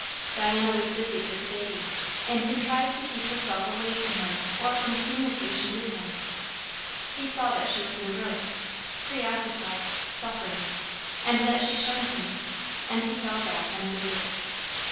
Diana was busied with the baby, and contrived to keep herself away from him or from communication with him. He saw that she was engrossed, preoccupied, suffering, and that she shunned him; and he fell back and waited.